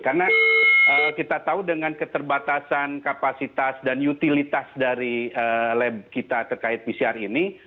karena kita tahu dengan keterbatasan kapasitas dan utilitas dari lab kita terkait pcr ini